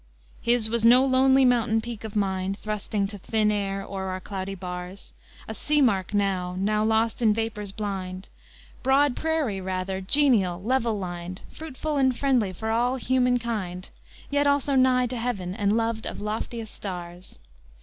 His was no lonely mountain peak of mind, Thrusting to thin air o'er our cloudy bars, A sea mark now, now lost in vapors blind; Broad prairie rather, genial, level lined, Fruitful and friendly for all human kind, Yet also nigh to heaven and loved of loftiest stars.